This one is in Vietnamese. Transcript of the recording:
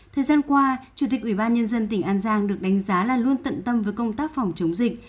thời gian qua chủ tịch ủy ban nhân dân tỉnh an giang được đánh giá là luôn tận tâm với công tác phòng chống dịch